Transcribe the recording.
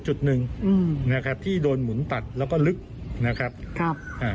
จุดหนึ่งอืมนะครับที่โดนหมุนตัดแล้วก็ลึกนะครับครับอ่า